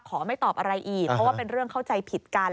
ไม่ตอบอะไรอีกเพราะว่าเป็นเรื่องเข้าใจผิดกัน